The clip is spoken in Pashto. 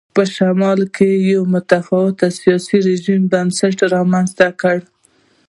په شمال کې یو متفاوت سیاسي رژیم بنسټونه رامنځته کړي.